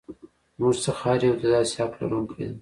زموږ څخه هر یو د داسې حق لرونکی دی.